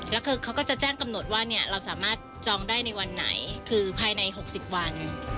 แล้วคือเขาก็จะแจ้งกำหนดว่าเราสามารถจองได้ในวันไหนคือภายใน๖๐วัน